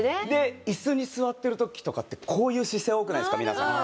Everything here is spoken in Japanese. で椅子に座ってる時とかこういう姿勢多くないですか？